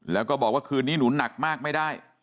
แล้วก็บอกว่าคืนนี้หนูหนักมากไม่ได้